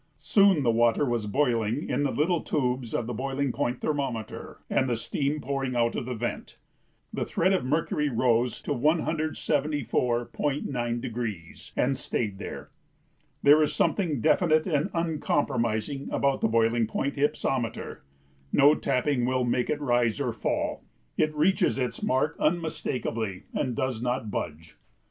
Soon the water was boiling in the little tubes of the boiling point thermometer and the steam pouring out of the vent. The thread of mercury rose to 174.9° and stayed there. There is something definite and uncompromising about the boiling point hypsometer; no tapping will make it rise or fall; it reaches its mark unmistakably and does not budge.